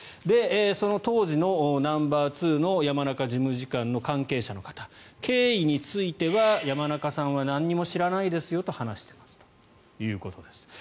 その当時のナンバーツーの山中事務次官の関係者の方経緯については山中さんは何も知らないですよと話していますということです。